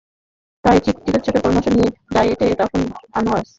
তাই চিকিৎসকের পরামর্শ নিয়ে ডায়েটে রাখুন আনারস।